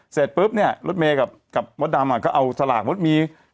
เสร็จปุ๊บเนี้ยรถเมย์กับกับมัวดดำอ่ะเขาเอาสลากมัวดมี